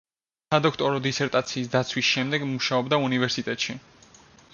სადოქტორო დისერტაციის დაცვის შემდეგ მუშაობდა უნივერსიტეტში.